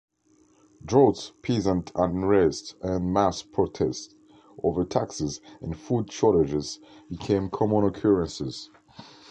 Droughts, peasant unrest and mass protests over taxes and food shortages became common occurrences.